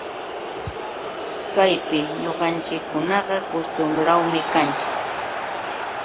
Kaypi ñuqanchikkunaqa kustumbrawmi kanchik